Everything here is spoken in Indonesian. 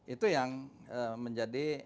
itu yang menjadi